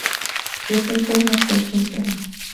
Presentan una concha interna.